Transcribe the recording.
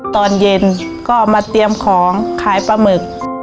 ตอนเย็นก็มาเตรียมของขายปลาหมึก